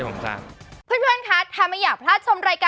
อยู่ข้างนั้นยังไงบ้างไหมคะ